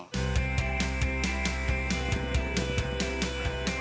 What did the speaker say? ketika kita kembali ke rumah kita bisa menikmati tempat yang lebih menyenangkan